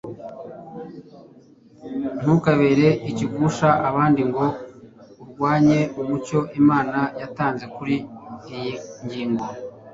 ntukabere ikigusha abandi ngo urwanye umucyo imana yatanze kuri iyi ngingo